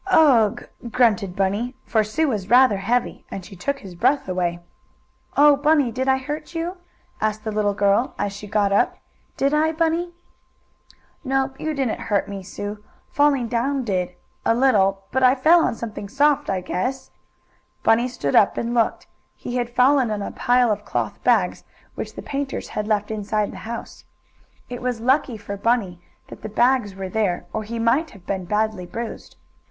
"Ugh!" grunted Bunny, for Sue was rather heavy and she took his breath away. "Oh, Bunny, did I hurt you?" asked the little girl, as she got up. "Did I, Bunny?" "Nope, you didn't hurt me, Sue. Falling down did a little, but I fell on something soft, I guess." Bunny stood up and looked. He had fallen on a pile of cloth bags which the painters had left inside the house. It was lucky for Bunny that the bags were there, or he might have been badly bruised.